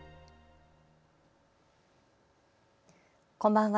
こんばんは。